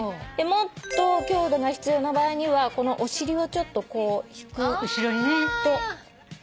もっと強度が必要な場合にはお尻をちょっとこう引く。